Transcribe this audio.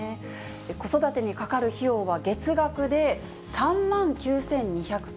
子育てにかかる費用は、月額で３万９２９９円。